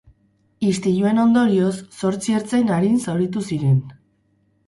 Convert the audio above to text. Istiluen ondorioz, zortzi ertzain arin zauritu ziren.